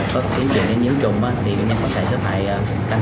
căn truyền dịch nhiều lần